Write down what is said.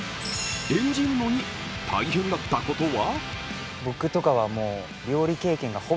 演じるのに大変だったことは？